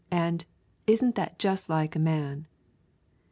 "ISN'T THAT JUST LIKE A MAN!"